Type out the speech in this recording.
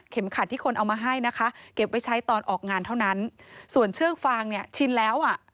ขัดที่คนเอามาให้นะคะเก็บไว้ใช้ตอนออกงานเท่านั้นส่วนเชือกฟางเนี่ยชินแล้วอ่ะ